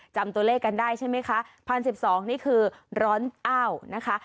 จำตัวเลขกันได้ใช่ไหมคะ๑๐๑๒นี่คือร้อนอ้าวนะคะ